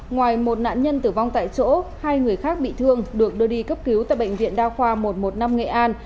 ngoài một nạn nhân tử vong tại chỗ hai người khác bị thương được đưa đi cấp cứu tại bệnh viện đa khoa một trăm một mươi năm nghệ an